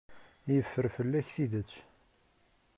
Yeffer fell-ak tidet.